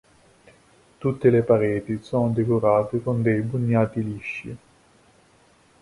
Tutte le pareti sono decorate con dei bugnati lisci.